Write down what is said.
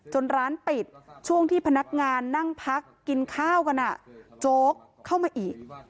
ร้านปิดช่วงที่พนักงานนั่งพักกินข้าวกันโจ๊กเข้ามาอีก